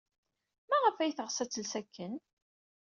Maɣef ay teɣs ad tels akken?